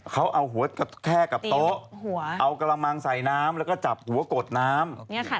เขาเอาหัวแค่กับโต๊ะเอากระมังใส่น้ำแล้วก็จับหัวกดน้ำ